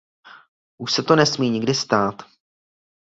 Už se to nesmí nikdy stát.